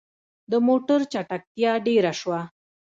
د موټر چټکتيا ډيره شوه.